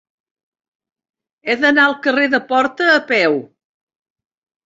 He d'anar al carrer de Porta a peu.